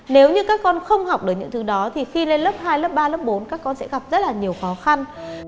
nếu như các con không học được những thứ đó thì khi lên lớp hai lớp ba lớp bốn các con sẽ gặp rất là nhiều khó khăn